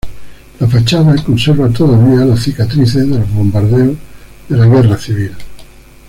La fachada conserva todavía las cicatrices de los bombardeos de la Guerra Civil.